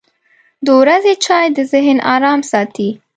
• د ورځې چای د ذهن ارام ساتي.